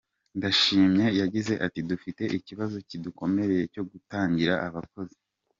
Ndashimye yagize ati : “Dufite ikibazo kidukomereye cyo kutagira abakozi.